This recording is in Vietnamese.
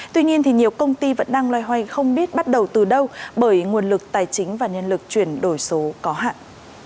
tuy nhiên thì nhiều công ty vẫn đang loay hoay không biết bắt đầu từ đâu bởi nguồn lực tài chính và nhân lực chuyển đổi số có hạn